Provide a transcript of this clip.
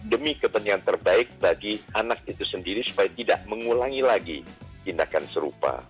demi kepentingan terbaik bagi anak itu sendiri supaya tidak mengulangi lagi tindakan serupa